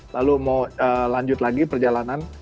lalu mau lanjut lagi perjalanan